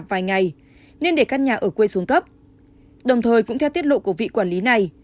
vài ngày nên để căn nhà ở quê xuống cấp đồng thời cũng theo tiết lộ của vị quản lý này